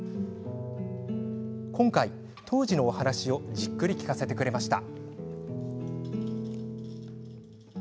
今回、当時のお話をじっくり聞かせてくれました。